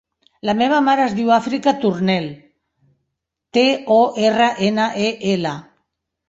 La meva mare es diu Àfrica Tornel: te, o, erra, ena, e, ela.